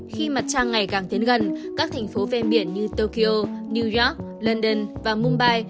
khi mặt trăng ngày càng tiến gần các thành phố ven biển như tokyo new york london và mumbai